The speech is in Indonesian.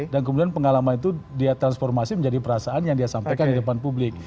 dan kemudian pengalaman itu dia transformasi menjadi perasaan yang dia sampaikan di depan publik